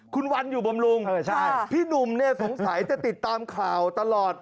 คุณวันอยู่บำรุงพี่หนุ่มเนี่ยสงสัยจะติดตามข่าวตลอด